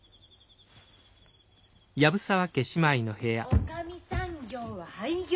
おかみさん業は廃業。